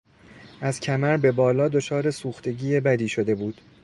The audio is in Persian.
از کمر به بالا دچار سوختگی بدی شده بود.